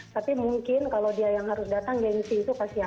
tapi mungkin kalau dia yang harus datang gengsi itu pasti ada